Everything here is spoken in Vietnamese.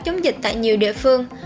chống dịch tại nhiều địa phương